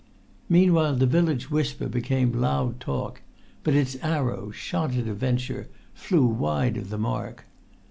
Meanwhile the village whisper became loud talk; but its arrows, shot at a venture, flew wide of any mark.